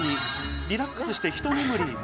リラックスしてひと眠り。